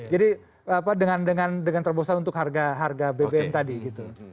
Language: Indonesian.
jadi apa dengan terbosan untuk harga bbm tadi gitu